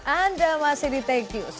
anda masih di tech news